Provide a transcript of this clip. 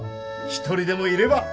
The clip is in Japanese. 一人でもいれば！